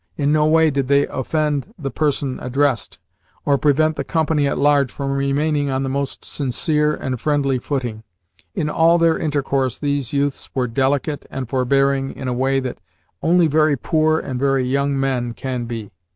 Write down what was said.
In no way did they offend the person addressed, or prevent the company at large from remaining on the most sincere and friendly footing. In all their intercourse these youths were delicate and forbearing in a way that only very poor and very young men can be.